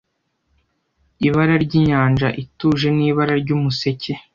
ibara ry'inyanja ituje n'ibara ry'umuseke